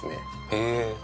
へえ。